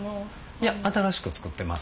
いや新しく作ってます。